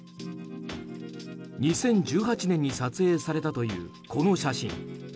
２０１８年に撮影されたというこの写真。